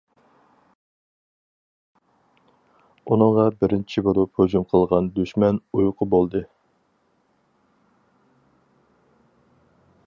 ئۇنىڭغا بىرىنچى بولۇپ ھۇجۇم قىلغان« دۈشمەن» ئۇيقۇ بولدى.